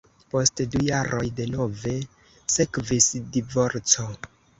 Post du jaroj denove sekvis divorco.